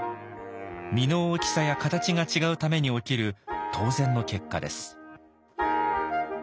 実の大きさや形が違うために起きる当然の結果です。